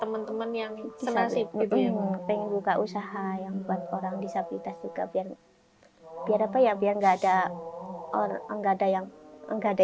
apa yang buka usaha yang buat orang disabilitas juga biar apa ya biar enggak ada yang enggak ada